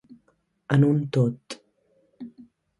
En un tot